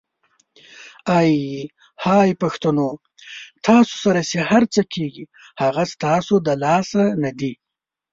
آی های پښتنو ! تاسو سره چې هرڅه کیږي هغه ستاسو د لاسه ندي؟!